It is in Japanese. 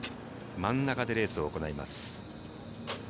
真ん中でレースを行います。